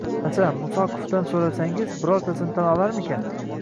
Masalan Musoqovdan so‘rasangiz birortasini tan olarmikin?